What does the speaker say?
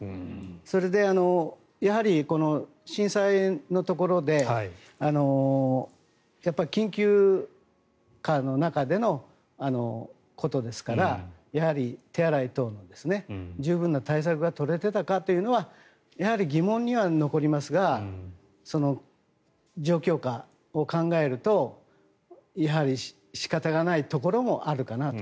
それでやはりこの震災のところで緊急下の中でのことですからやはり、手洗い等の十分な対策が取れていたかというのはやはり疑問には残りますがその状況下を考えるとやはり仕方がないところもあるかなと。